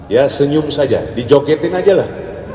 ya senyum saja dijoketin saja lah